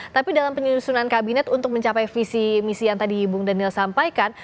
tapi dalam penyusunan kabinet untuk mencapai visi misi yang tadi bung daniel sampaikan